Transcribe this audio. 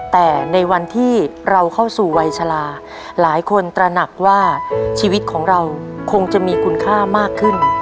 แต่ในวันที่เราเข้าสู่วัยชะลาหลายคนตระหนักว่าชีวิตของเราคงจะมีคุณค่ามากขึ้น